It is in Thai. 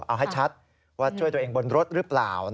เอาให้ชัดว่าช่วยตัวเองบนรถหรือเปล่า